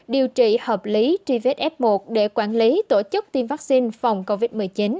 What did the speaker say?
điều trị hợp lý tri vết f một để quản lý tổ chức tiêm vaccine phòng covid một mươi chín